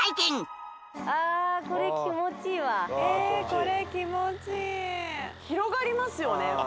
これ気持ちいい広がりますよね